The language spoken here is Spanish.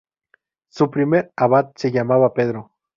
Su primer abad se llamaba Pedro.